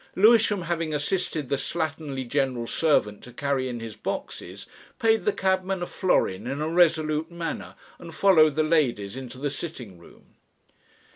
Lewisham having assisted the slatternly general servant to carry in his boxes, paid the cabman a florin in a resolute manner and followed the ladies into the sitting room.